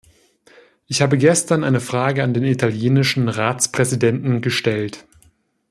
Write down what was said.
Ich habe gestern eine Frage an den italienischen Ratspräsidenten gestellt.